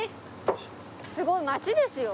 すごい街ですよ。